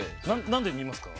何で見ますか？